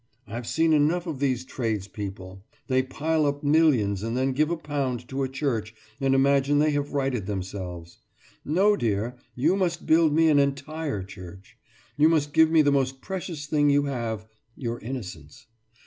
I've seen enough of these tradespeople. They pile up millions and then give a pound to a church and imagine they have righted themselves. No, dear, you must build me an entire church. You must give me the most precious thing you have, your innocence.